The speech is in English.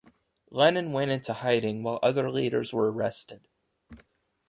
Lenin went into hiding, while other leaders were arrested.